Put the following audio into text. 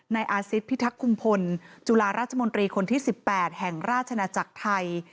อาซิตพิทักษ์คุมพลจุฬาราชมนตรีคนที่๑๘แห่งราชนาจักรไทย